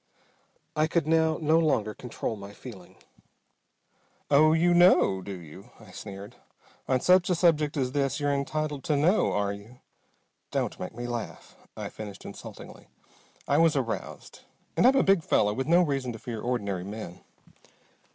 I could now no longer control my feeling. "Oh! You know, do you?" I sneered. "On such a subject as this you're entitled to know, are you? Don't make me laugh!" I finished insultingly. I was aroused. And I'm a big fellow, with no reason to fear ordinary men.